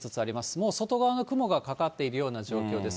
もう外側の雲がかかっているような状況です。